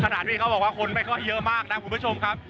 ที่เขาบอกว่าคนไม่ค่อยเยอะมากนะคุณผู้ชมครับ